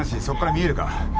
そこから見えるか？